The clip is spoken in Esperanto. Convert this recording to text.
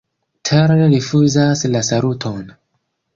Tell rifuzas la saluton.